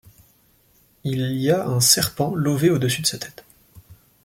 Il y a un serpent lové au-dessus de sa tête.